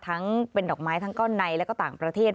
ทั้งเป็นดอกไม้ทั้งก้อนในและก็ต่างประเทศ